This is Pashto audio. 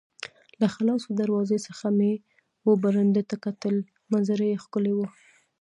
له خلاصو دروازو څخه مې وه برنډې ته کتل، منظره یې ښکلې وه.